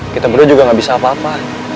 kita berdua juga nggak bisa apa apa